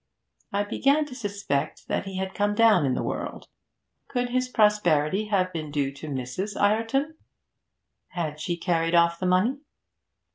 I began to suspect that he had come down in the world. Could his prosperity have been due to Mrs. Treton? Had she carried off the money?